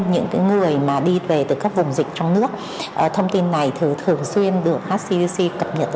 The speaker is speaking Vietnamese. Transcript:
những người đi về từ các vùng dịch trong nước thông tin này thường xuyên được hcuc cập nhật